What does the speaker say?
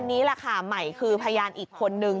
นี่แหละค่ะใหม่คือพยานอีกคนนึง